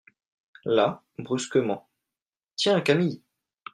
Là, brusquement : Tiens, Camille !